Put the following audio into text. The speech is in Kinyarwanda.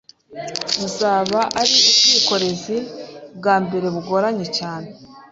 bizaba ari ubwikorezi bwa mbere bugoranye cyane